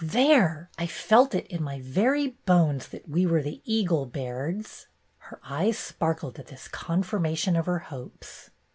"There! I felt it in my very bones that we were the eagle Bairds.'' Her eyes sparkled at this confirmation of her hopes.